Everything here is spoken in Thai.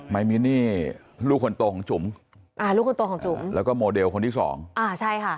ยมินนี่ลูกคนโตของจุ๋มอ่าลูกคนโตของจุ๋มแล้วก็โมเดลคนที่สองอ่าใช่ค่ะ